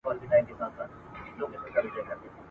د دوستانو له بېلتون څخه کړېږې!.